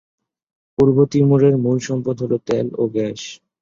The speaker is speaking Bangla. পূর্ব তিমুরের মূল সম্পদ হলো তেল ও গ্যাস।